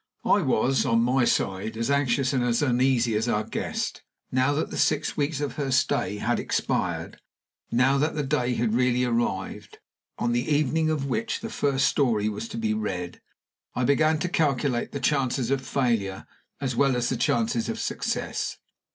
I was, on my side, as anxious and as uneasy as our guest. Now that the six weeks of her stay had expired now that the day had really arrived, on the evening of which the first story was to be read, I began to calculate the chances of failure as well as the chances of success.